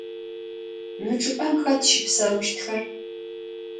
Mı çç'ıp'em xet şıpsauştxer?